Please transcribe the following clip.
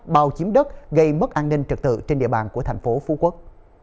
bào chiếm đất gây mất an ninh trật tự trên địa bàn của thành phố phú quốc